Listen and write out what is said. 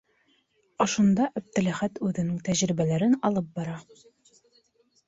Ошонда Әптеләхәт үҙенең тәжрибәләрен алып бара.